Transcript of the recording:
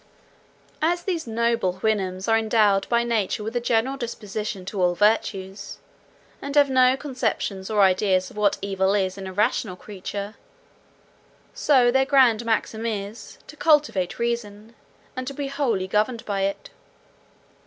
As these noble Houyhnhnms are endowed by nature with a general disposition to all virtues, and have no conceptions or ideas of what is evil in a rational creature, so their grand maxim is, to cultivate reason, and to be wholly governed by it.